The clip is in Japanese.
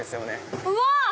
うわ！